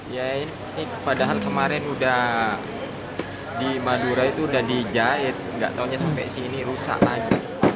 ya ini padahal kemarin udah di madura itu udah dijahit nggak taunya sampai sini rusak lagi